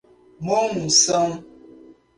Monção